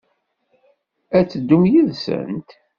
Ad teddum yid-sent?